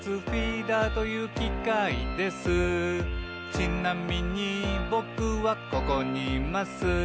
「ちなみにぼくはここにいます」